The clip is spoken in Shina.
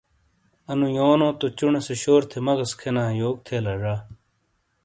انو یونو تو چونے سے شور تھے مغز کھینا یوک تھے لا زا ۔